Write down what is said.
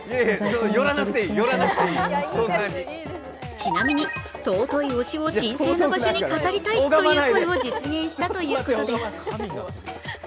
ちなみに尊い推しを神聖な場所に飾りたいという声を実現したということです。